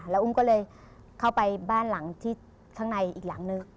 แล้วอุ้มก็เลยเข้าไปบ้านหลังที่ข้างในอีกหลังนึง